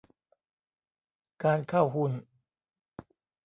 การเข้าหุ้น